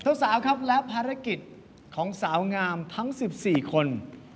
สาวครับและภารกิจของสาวงามทั้ง๑๔คน